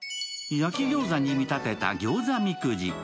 焼き餃子に見立てた餃子みくじ。